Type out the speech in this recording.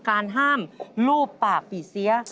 การห้ามรูปปากปีเสีย